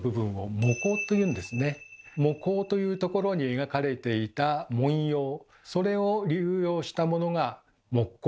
帽額というところに描かれていた紋様それを流用したものが木瓜紋です。